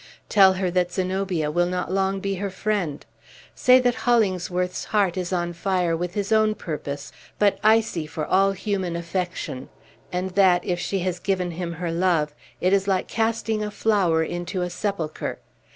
Tell her that Zenobia will not be long her friend. Say that Hollingsworth's heart is on fire with his own purpose, but icy for all human affection; and that, if she has given him her love, it is like casting a flower into a sepulchre.